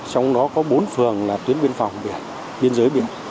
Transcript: trong đó có bốn phường là tuyến biên phòng biển biên giới biển